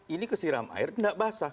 ini kesiram air tidak basah